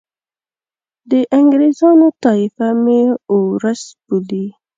د انګریزانو طایفه مې اوروس بولي.